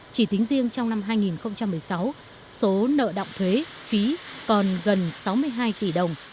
chỉ tính riêng trong năm hai nghìn một mươi sáu số nợ động thuế phí còn gần sáu mươi hai tỷ đồng